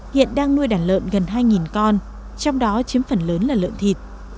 hiện đang nuôi đàn lợn gần hai con trong đó chiếm phần lớn là lợn thịt